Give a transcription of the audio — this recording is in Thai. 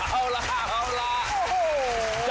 เอาล่ะค่ะเอาล่ะ